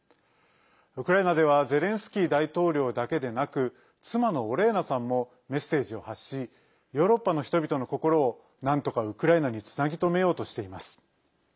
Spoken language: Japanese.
ウクライナではゼレンスキー大統領だけでなく妻のオレーナさんもメッセージを発しヨーロッパの人々の心をなんとかウクライナにつなぎとめようとしています。